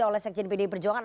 oleh seksi dpd perjuangan